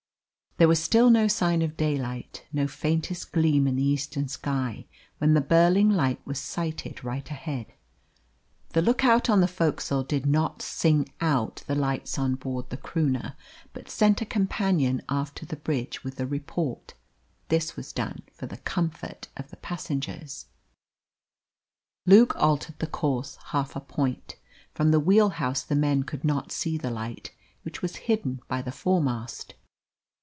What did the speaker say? There was still no sign of daylight, no faintest gleam in the eastern sky, when the Burling light was sighted right ahead. The look out on the forecastle did not "sing out" the lights on board the Croonah, but sent a companion aft to the bridge with the report. This was done for the comfort of the passengers. Luke altered the course half a point. From the wheel house the men could not see the light, which was hidden by the fore mast.